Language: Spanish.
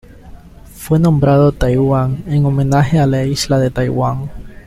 Fue nombrado Taiwan en homenaje a la Isla de Taiwán.